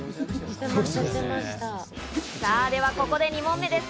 ここで２問目です。